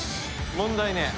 問題ねえ。